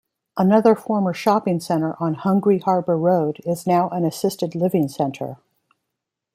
Another former shopping center on Hungry Harbor Road is now an assisted living center.